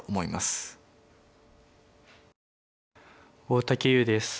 大竹優です。